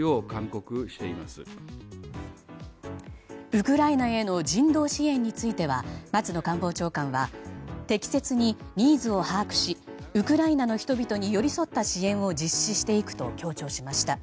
ウクライナへの人道支援については松野官房長官は適切にニーズを把握しウクライナの人々に寄り添った支援を実施していくと強調しました。